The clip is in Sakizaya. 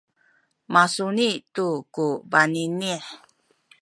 masuni tu ku baninih